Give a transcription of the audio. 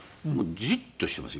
じっとしてます